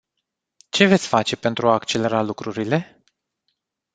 Ce veți face pentru a accelera lucrurile?